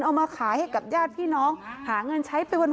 เอามาขายให้กับญาติพี่น้องหาเงินใช้ไปวัน